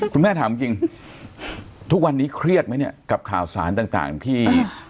คุณแม่ถามจริงทุกวันนี้เครียดไหมเนี่ยกับข่าวสารต่างที่